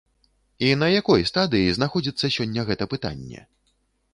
І на якой стадыі знаходзіцца сёння гэта пытанне?